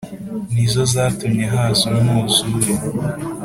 ni zo zatumye haza umwuzure.